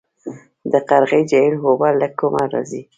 د قرغې جهیل اوبه له کومه راځي؟